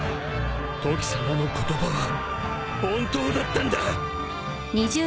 トキさまの言葉は本当だったんだ！